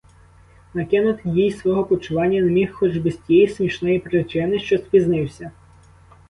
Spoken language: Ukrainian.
Накинути їй свого почування не міг хоч би з тієї смішної причини, що спізнився.